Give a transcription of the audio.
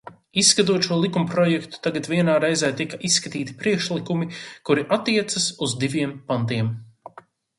Izskatot šo likumprojektu, tagad vienā reizē tika izskatīti priekšlikumi, kuri attiecas uz diviem pantiem.